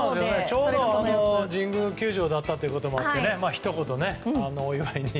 ちょうど神宮球場だったということもあってひと言お祝いに。